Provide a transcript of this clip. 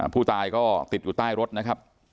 ผู้ตายก็ติดอยู่ใต้รถนะครับ